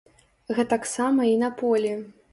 Гэтаксама і на полі.